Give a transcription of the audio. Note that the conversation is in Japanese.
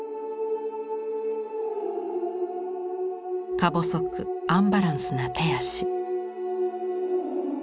か細くアンバランスな手足。